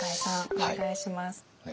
お願いします。